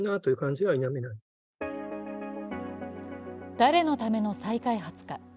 誰のための再開発か。